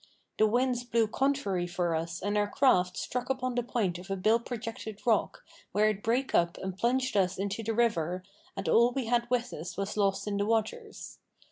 The winds blew contrary for us and our craft struck upon the point of a bill projected rock, where it brake up and plunged us into the river, and all we had with us was lost in the waters.